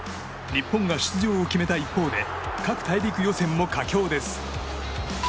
日本が出場を決めた一方で各大陸予選も佳境です。